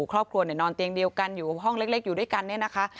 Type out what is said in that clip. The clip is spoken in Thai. ครอบครัวเนี่ยนอนเตียงเดียวกันอยู่ห้องเล็กอยู่ด้วยกันเนี่ยนะคะ